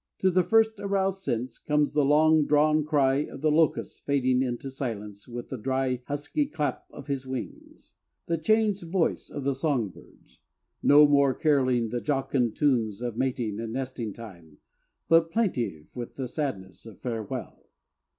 To the first aroused sense comes the long drawn cry of the locust fading into silence with the dry, husky clap of his wings; the changed voice of the song birds, no more caroling the jocund tunes of mating and nesting time, but plaintive with the sadness of farewell.